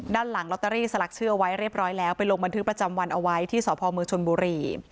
ด้านหลังลอตเตอรี่สลักชื่อเอาไว้เรียบร้อยแล้วไปลงบันทึกประจำวันเอาไว้ที่สพมชนบุรี